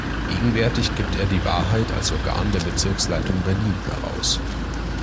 Gegenwärtig gibt er "Die Wahrheit" als „Organ der Bezirksleitung Berlin“ heraus.